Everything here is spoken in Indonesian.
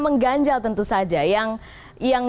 mengganjal tentu saja yang